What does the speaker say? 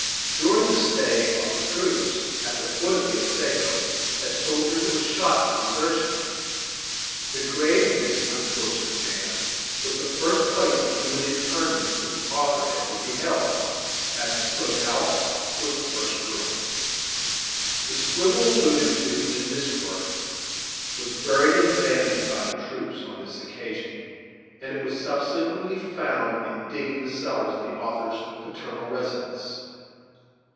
During the stay of the troops at the foot of the Otsego a soldier was shot for desertion. The grave of this unfortunate man was the first place of human interment that the author ever beheld, as the smoke house was the first ruin! The swivel alluded to in this work was buried and abandoned by the troops on this occasion, and it was subsequently found in digging the cellars of the authors paternal residence.